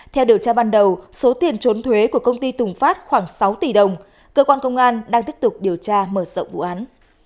theo điều tra ban đầu số tiền trốn thuế của công ty tùng phát khoảng sáu tỷ đồng cơ quan công an đang tiếp tục điều tra mở rộng vụ án